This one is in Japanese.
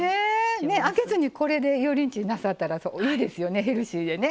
揚げずにこれでユーリンチーなさったらいいですよね、ヘルシーで。